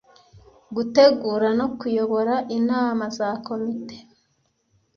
Gutegura no kuyobora inama za Komite